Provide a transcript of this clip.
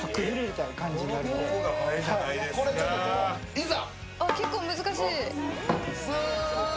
いざ！